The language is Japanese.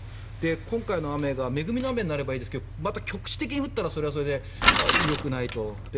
今回の雨が恵みの雨になればいいですけどまた局地的に降ったらそれはそれでよくないと。